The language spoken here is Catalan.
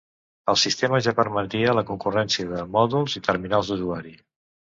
El sistema ja permetia la concurrència de mòduls i terminals d'usuari.